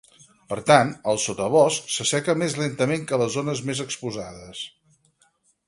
Per tant, el sotabosc s'asseca més lentament que les zones més exposades.